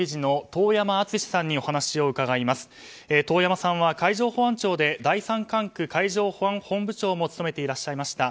遠山さんは海上保安庁で第３管区海上保安本部長も務めていらっしゃいました。